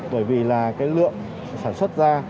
bởi vì là cái lượng sản xuất ra